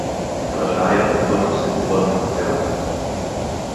Стражарят бързо се повърна към селото.